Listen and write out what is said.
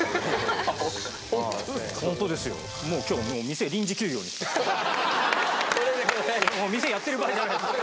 店やってる場合じゃない。